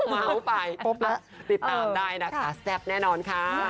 ม้าวไปติดตามได้นะคะแซปแน่นอนค่ะ